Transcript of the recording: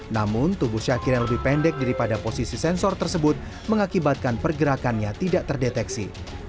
namun tubuh syakir yang lebih pendek daripada posisi sensor tersebut mengakibatkan pergerakannya tidak terdeteksi